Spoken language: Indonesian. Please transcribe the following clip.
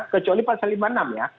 kecuali pasal lima puluh enam ya